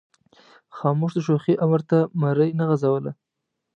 خاموش د شوخۍ امر ته مرۍ نه غځوله.